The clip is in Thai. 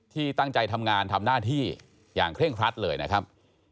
ที่ตั้งใจทำงานทำหน้าที่อย่างเคร่งครัดเลยนะครับ